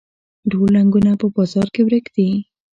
ټوله رنګونه په بازار کې ورک دي